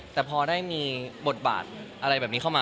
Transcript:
แต่พอได้มีบทบาทอะไรแบบนี้เข้ามา